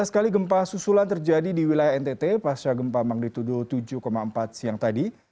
dua belas kali gempa susulan terjadi di wilayah ntt pasca gempa magnitudo tujuh empat siang tadi